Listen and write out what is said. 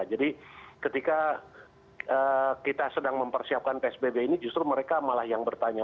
jadi ketika kita sedang mempersiapkan psbb ini justru mereka malah yang bertanya